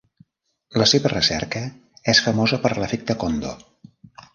La seva recerca és famosa per l'efecte Kondo.